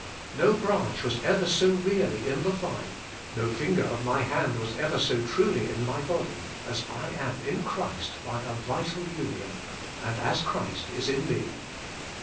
No branch was ever so really in the vine, no finger of my hand was ever so truly in my body, as I am in Christ bv a vital union, and as Christ is in me.